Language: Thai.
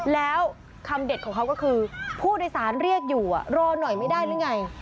แล้วคำเด็ดของเขาก็คือผู้โดยสารเรียกอยู่รอหน่อยไม่ได้หรือไง